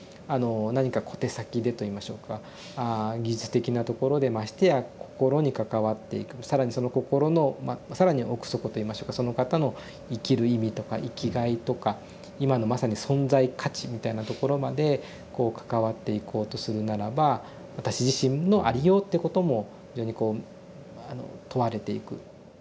何か小手先でといいましょうか技術的なところでましてや心に関わっていく更にその心の更に奥底といいましょうかその方の生きる意味とか生きがいとか今のまさに存在価値みたいなところまでこう関わっていこうとするならば私自身のありようってことも非常にこうあの問われていく。